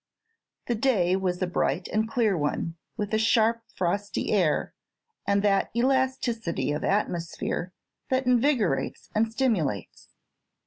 The day was a bright and clear one, with a sharp, frosty air and that elasticity of atmosphere that invigorates and stimulates.